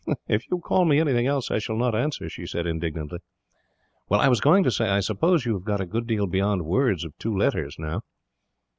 "If you call me anything else, I shall not answer," she said indignantly. "Well, I was going to say, I suppose you have got a good deal beyond words of two letters, now?"